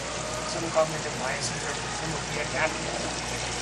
Some cognitive biases are presumably adaptive.